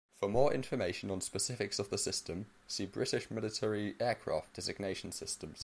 For more information on specifics of the system, see British military aircraft designation systems.